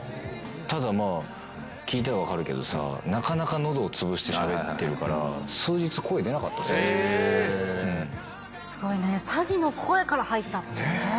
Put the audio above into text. ただ、まあ、聞いたら分かるけどさ、なかなかのどを潰してしゃべってるから、数日、声、サギの声から入ったってね。